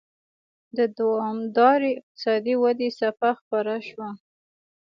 د دوامدارې اقتصادي ودې څپه خپره شوه.